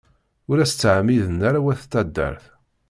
Ur as-ttɛemmiden ara wat taddart.